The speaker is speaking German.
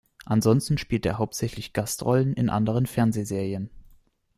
Ansonsten spielt er hauptsächlich Gastrollen in anderen Fernsehserien.